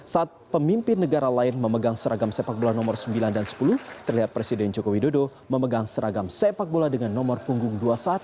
saat pemimpin negara lain memegang seragam sepak bola nomor sembilan dan sepuluh terlihat presiden joko widodo memegang seragam sepak bola dengan nomor punggung dua puluh satu